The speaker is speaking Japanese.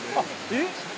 えっ！？